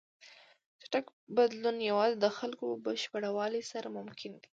چټک بدلون یوازې د خلکو په بشپړ یووالي سره ممکن دی.